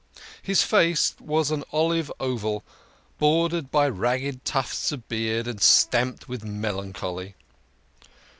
His face was an olive oval, bordered by ragged tufts of beard and stamped with melan choly.